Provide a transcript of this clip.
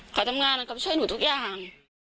เขาทำงานเขาช่วยหนูทุกอย่าง